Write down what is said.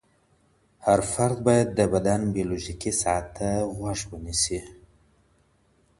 هر فرد باید د بدن بیولوژیکي ساعت ته غوږ ونیسي.